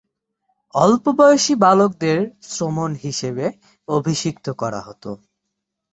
অল্পবয়সী বালকদের শ্রমণ হিসেবে অভিষিক্ত করা হত।